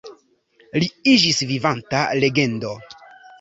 Li iĝis vivanta legendo.